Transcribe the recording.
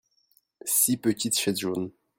six petites chaises jaunes.